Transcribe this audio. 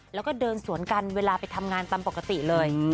แล้วก็เดินสวนกันเวลาไปทำงานตามปกติเลย